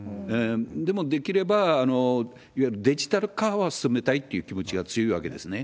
でも、できればいわゆるデジタル化は進めたいという気持ちが強いわけですね。